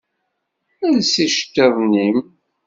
Els iceṭṭiḍen-im!